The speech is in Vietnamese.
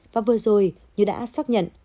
và vừa rồi như đã xác nhận